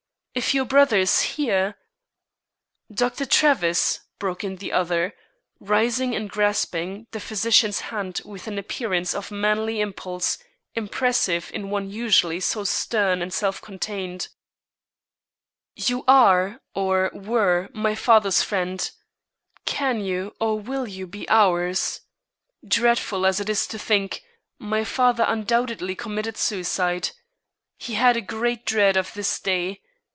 If your brother is here " "Dr. Travis," broke in the other, rising and grasping the physician's hand with an appearance of manly impulse impressive in one usually so stern and self contained, "you are, or were, my father's friend; can you or will you be ours? Dreadful as it is to think, my father undoubtedly committed suicide. He had a great dread of this day.